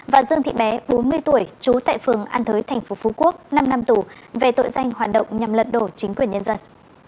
và dương thị bé bốn mươi tuổi trú tại phường an thới tp phú quốc năm năm tù về tội danh hoạt động nhằm lật đổ chính quyền nhân dân